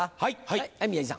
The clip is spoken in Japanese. はい。